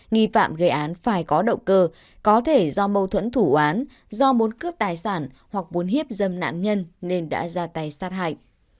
nghi phạm gây án phải có động cơ có thể do mâu thuẫn thủ án do muốn cướp tài sản hoặc muốn hiếp dâm nạn nhân nên đã ra tay sát hại